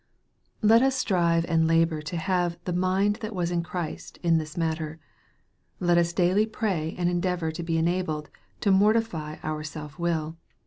Let us strive and labor to have "the mind that was in Christ" in this matter. Let us daily pray and endeavor to be enabled to mortify our self will.